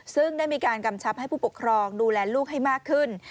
ซึ่งได้มีการกำชับให้ผู้ปกครองดูแลลูกให้มากขึ้น